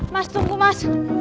mas tunggu mas